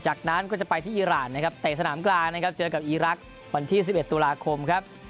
จากนั้นก็จะไปที่อีรานนะครับเตะสนามกลางนะครับเจอกับอีรักษ์วันที่๑๑ตุลาคมครับ